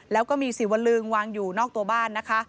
แล้วก็มีสิวลึงวางอยู่นอกตัวบ้านนะคะ